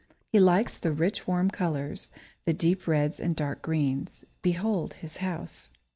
He likes the rich, warm colours; the deep reds and dark greens. Behold his house!